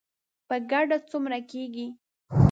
په ګډه څومره کیږي؟